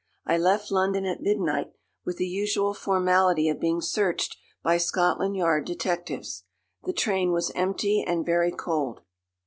I left London at midnight, with the usual formality of being searched by Scotland Yard detectives. The train was empty and very cold.